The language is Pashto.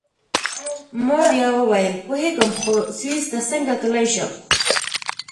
ما بیا وویل: پوهیږم، خو سویس ته څنګه تلای شم؟